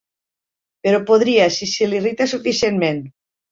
Però podria, si se l'irrita suficientment.